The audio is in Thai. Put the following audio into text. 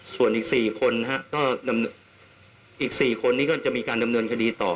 ส่วนอีก๔คนก็อีก๔คนนี้ก็จะมีการดำเนินคดีต่อ